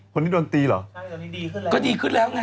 คนนี้โดนตีเหรอใช่ตอนนี้ดีขึ้นแล้ว